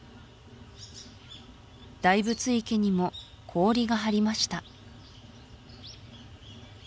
大仏池にも氷が張りました